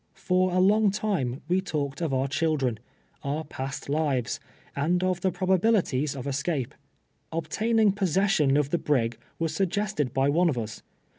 For a long time we talked of our children, our past lives, and of the probabilities of escape. Obtaining possession of the brig was suggested by one of us.